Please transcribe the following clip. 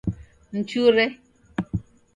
Mchure